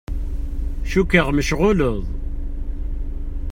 Cukkeɣ mecɣuleḍ.